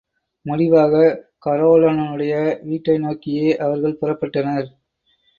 முடிவாகக் கரோலனுடைய வீட்டை நோக்கியே அவர்கள் புறப்பட்டனர்.